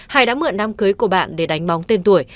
hải đã mượn nam cưới của bạn để đánh bóng tên tuổi